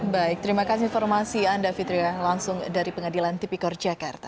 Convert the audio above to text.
baik terima kasih informasi anda fitriah langsung dari pengadilan tipikor jakarta